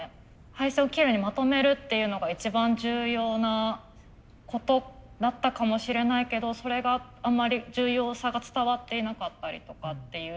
配線をきれいにまとめるっていうのが一番重要なことだったかもしれないけどそれがあまり重要さが伝わっていなかったりとかっていう。